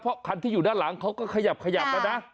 เพราะคันที่อยู่ด้านหลังเขาก็ขยับขยับแล้วนะ